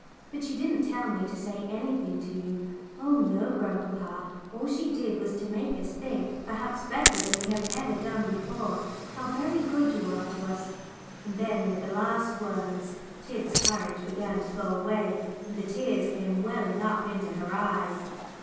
"But she didn't tell me to say anything to you oh no, grandpapa. All she did was to make us think perhaps better than we have ever done before how very good you are to us;" and then, with the last words Tib's courage began to go away, and the tears came welling up into her eyes.